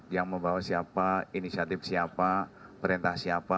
yang membawa siapa inisiatif siapa perintah siapa